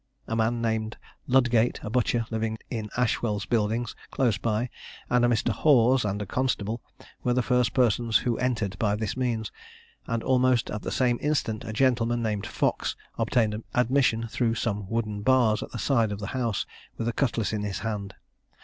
A man named Ludgate, a butcher living in Ashwell's Buildings, close by, and a Mr. Hawse and a constable, were the first persons who entered by this means; and almost at the same instant a gentleman named Fox obtained admission through some wooden bars at the side of the house, with a cutlass in his hand.